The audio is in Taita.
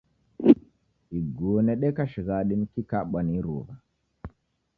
Iguo nedeka shighadi nikikabwa ni iruw'a